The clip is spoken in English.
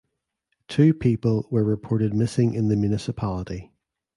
Two people were reported missing in the municipality.